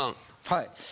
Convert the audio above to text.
はい。